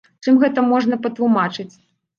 Чым гэта можна патлумачыць?